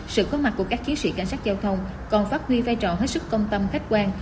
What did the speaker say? sự có mặt của các chiến sĩ cảnh sát giao thông còn phát huy vai trò hết sức công tâm khách quan